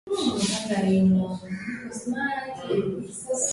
Hadi thuluthi moja yaani mmoja kati ya watatu ya ngamia wanaweza kuambukizwa ugonjwa huu